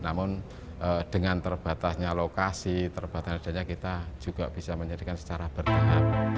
namun dengan terbatasnya lokasi terbatas adanya kita juga bisa menjadikan secara bertahap